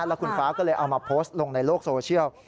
แล้วคุณฟ้าก็เลยเอามาโพสต์ลงในโลกโซเชียล